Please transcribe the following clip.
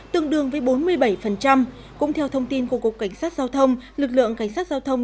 tương đương với bốn mươi bảy cũng theo thông tin của cục cảnh sát giao thông lực lượng cảnh sát giao thông